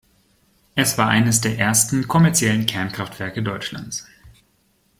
Es war eines der ersten kommerziellen Kernkraftwerke Deutschlands.